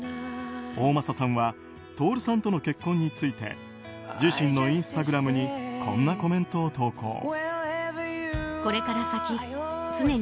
大政さんはＴｏｒｕさんとの結婚について自身のインスタグラムにこんなコメントを投稿。